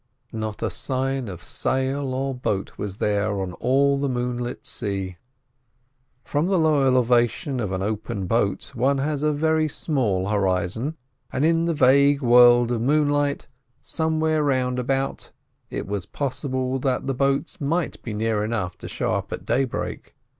Not a sign of sail or boat was there on all the moonlit sea. From the low elevation of an open boat one has a very small horizon, and in the vague world of moonlight somewhere round about it was possible that the boats might be near enough to show up at daybreak.